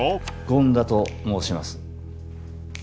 権田と申します。